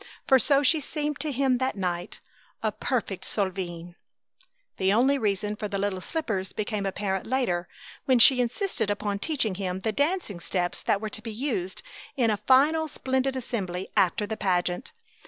For so she seemed to him that night! A perfect Solveig! The reason for the little slippers became apparent later, when she insisted upon teaching him the dancing steps that were to be used in a final splendid assembly after the pageant.